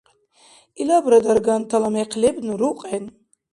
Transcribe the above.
Илабра даргантала мекъ лебну, рукьен.